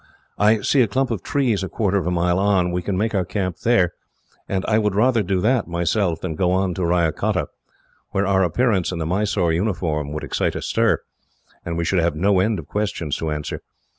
I see a clump of trees a quarter of a mile on. We can make our camp there, and I would rather do that, myself, than go on to Ryacotta, where our appearance in the Mysore uniform would excite a stir, and we should have no end of questions to answer.